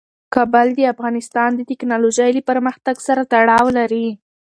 کابل د افغانستان د تکنالوژۍ له پرمختګ سره تړاو لري.